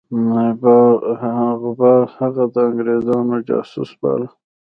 غبار هغه د انګرېزانو جاسوس باله.